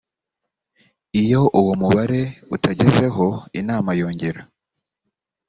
iyo uwo mubare utagezeho inama yongera